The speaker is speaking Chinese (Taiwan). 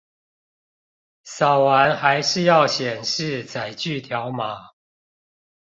掃完還是要顯示載具條碼